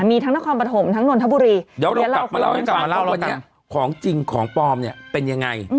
มีทั้งต้องความประถมทั้งนวลธบุรีเดี๋ยวเรากลับมาเล่าให้กลับมาเล่าเรากันของจริงของปลอมเนี้ยเป็นยังไง